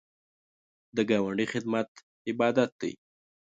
د ګاونډي خدمت عبادت دی